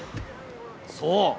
そう！